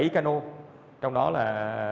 bảy cano trong đó là